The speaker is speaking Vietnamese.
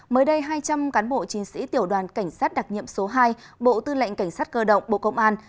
mới đây hai trăm linh cán bộ chiến sĩ tiểu đoàn cảnh sát đặc nhiệm số hai bộ tư lệnh cảnh sát cơ động bộ công an